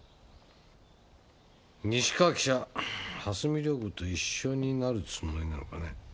西川記者蓮見遼子と一緒になるつもりなのかね。